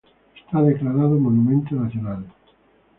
Está declarado monumento nacional.